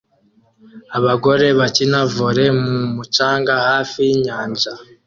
Abagore bakina volley mu mucanga hafi yinyanja